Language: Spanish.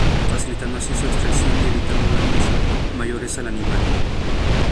Facilitando así su extracción y evitando daños mayores al animal.